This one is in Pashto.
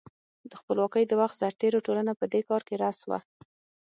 د خپلواکۍ د وخت سرتېرو ټولنه په دې کار کې راس وه.